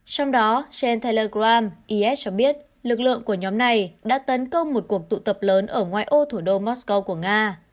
trong đó gen telegram is cho biết lực lượng của nhóm này đã tấn công một cuộc tụ tập lớn ở ngoài ô thủ đô mosco của nga